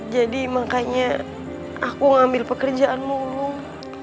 jadi makanya aku ngambil pekerjaan mulung